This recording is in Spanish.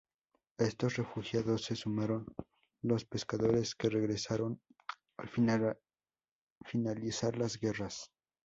A estos refugiados se sumaron los pescadores que regresaron al finalizar las guerras.